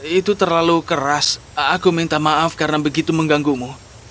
itu terlalu keras aku minta maaf karena begitu mengganggumu